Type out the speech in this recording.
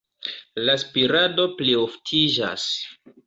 La spirado plioftiĝas.